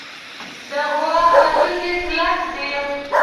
د غوا هډوکي کلک دي.